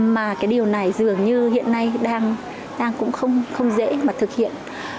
mà cái điều này dường như hiện nay đang cũng không dễ mà thực hiện